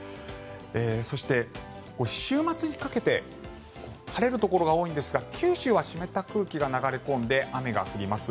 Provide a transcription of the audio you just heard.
そして、週末にかけて晴れるところが多いんですが九州は湿った空気が流れ込んで雨が降ります。